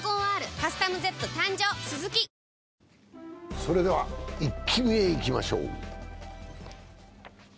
それでは「イッキ見」へいきましょう。